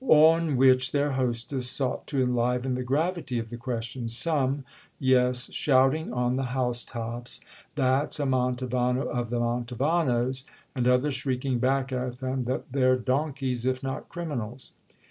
On which their hostess sought to enliven the gravity of the question. "Some—yes—shouting on the housetops that's a Mantovano of the Mantovanos, and others shrieking back at them that they're donkeys if not criminals."